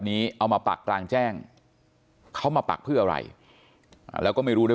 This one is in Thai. เอามาปักกลางแจ้งเขามาปักเพื่ออะไรแล้วก็ไม่รู้ด้วย